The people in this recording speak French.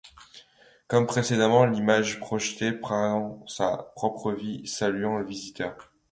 Comme précédemment, l'image projetée prend sa propre vie, saluant le visiteur.